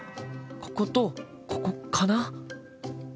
こことここかな？